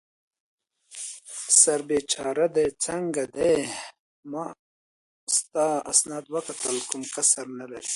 سر بېچاره دې څنګه دی؟ ما ستا اسناد وکتل، کوم کسر نه لرې.